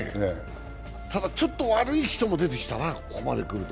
ただちょっと悪い人も出てきたな、ここまでくると。